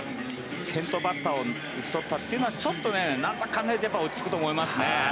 先頭バッターを打ち取ったというのはちょっと落ち着くと思いますね。